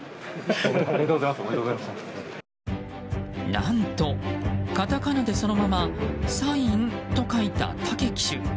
何とカタカナでそのまま「サイン」と書いた武騎手。